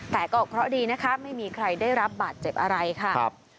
แต่ก็เคราะห์ดีนะคะไม่มีใครได้รับบาดเจ็บอะไรค่ะ